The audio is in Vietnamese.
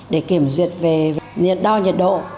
để kiểm duyệt về đo nhiệt độ